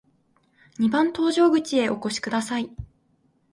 二番搭乗口へお越しください。